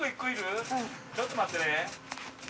ちょっと待ってね。